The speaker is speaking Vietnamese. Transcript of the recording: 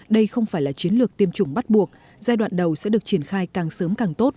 đây không phải là chiến lược tiêm chủng bắt buộc giai đoạn đầu sẽ được triển khai càng sớm càng tốt